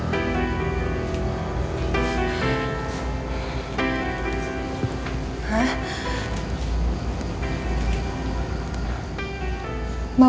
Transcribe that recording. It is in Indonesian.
kamu tetap harus tenang